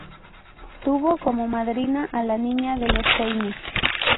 Tuvo como madrina a la Niña de los Peines.